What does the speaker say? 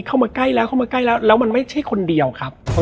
เข้ามาใกล้แล้วเข้ามาใกล้แล้วแล้วมันไม่ใช่คนเดียวครับ